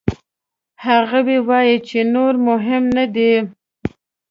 هغوی وايي چې نور مهم نه دي.